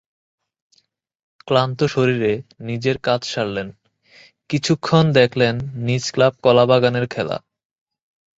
ক্লান্ত শরীরে নিজের কাজ সারলেন, কিছুক্ষণ দেখলেন নিজ ক্লাব কলাবাগানের খেলা।